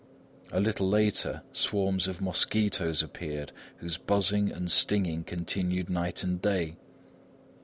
A little later swarms of mosquitoes appeared, whose buzzing and stinging continued night and day.